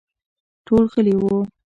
ټول غلي وو.